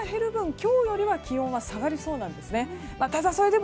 今日よりは気温が下がりそうです。